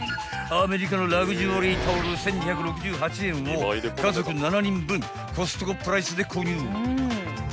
［アメリカのラグジュアリータオル１，２６８円を家族７人分コストコプライスで購入］